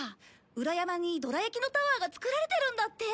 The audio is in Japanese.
裏山にどら焼きのタワーが作られてるんだって！